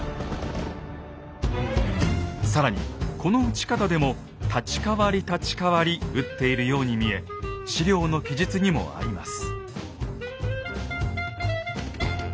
更にこの撃ち方でも「立ち代わり立ち代わり」撃っているように見え史料の記述にも合います。